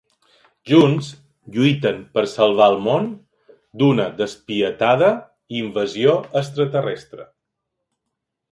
Junts, lluiten per salvar el món d'una despietada invasió extraterrestre.